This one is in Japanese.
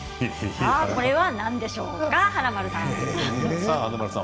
これは何でしょうか華丸さん。